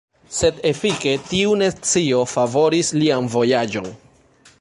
Sed efike tiu nescio favoris lian vojaĝon.